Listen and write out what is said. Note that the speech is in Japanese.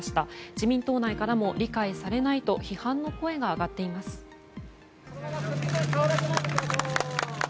自民党内からも理解されないと批判の声が上がっています。